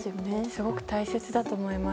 すごく大切だと思います。